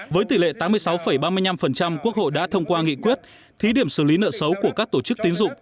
với tỷ lệ tám mươi sáu ba mươi năm quốc hội đã thông qua nghị quyết thí điểm xử lý nợ xấu của các tổ chức tín dụng